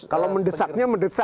kalau mendesaknya mendesak